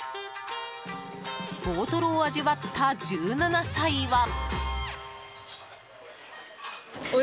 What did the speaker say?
大トロを味わった１７歳は。